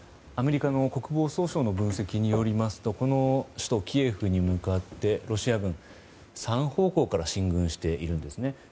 アメリカの国防総省の分析によりますとこの首都キエフに向かってロシア軍は３方向から進軍しているんですね。